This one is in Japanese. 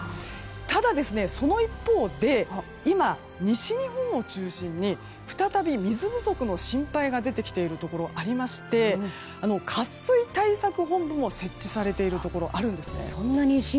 ただ、その一方で今、西日本を中心に再び水不足の心配が出てきているところがありまして渇水対策本部も設置されてるところもあるんですね。